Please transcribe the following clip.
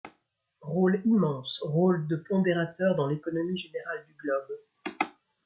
Rôle immense, rôle de pondérateur dans l’économie générale du globe !